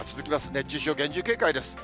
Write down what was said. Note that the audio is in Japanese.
熱中症、厳重警戒です。